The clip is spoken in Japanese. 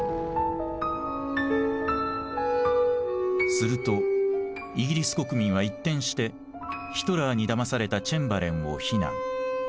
するとイギリス国民は一転してヒトラーにだまされたチェンバレンを非難。